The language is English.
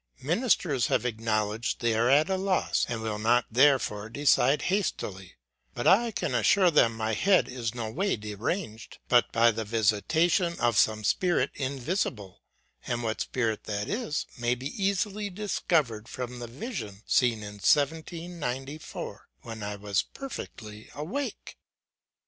Ministers have acknowledged they are at a loss, and will not therefore decide hastily* But I can assure them my head is no way deranged, but by the visitation of some Spirit invisible ; and what Spirit that is, may be easily discovered from the vision seen in 17Q4, when I was perfectly awake.